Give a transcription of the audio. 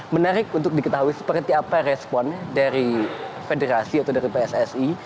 menarik untuk diketahui seperti apa respon dari federasi atau dari pssi